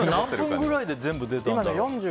何分くらいで全部出たんだろう。